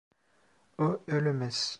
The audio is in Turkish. O ölemez.